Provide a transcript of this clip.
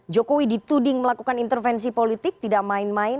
jokowi dituding melakukan intervensi politik tidak main main